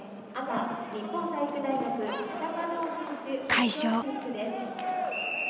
快勝。